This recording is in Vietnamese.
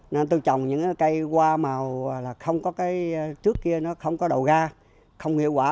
nên tôi trồng những cây hoa màu là không có cây trước kia nó không có đầu ga không hiệu quả